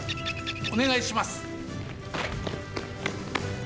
おねがいします。